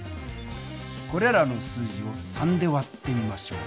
これらの数字を３で割ってみましょう。